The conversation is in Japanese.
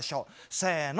せの。